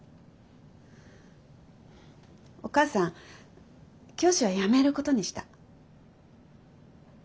お母さん教師は辞めることにした。